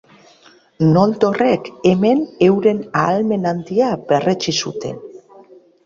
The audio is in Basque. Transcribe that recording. Noldorrek hemen euren ahalmen handia berretsi zuten.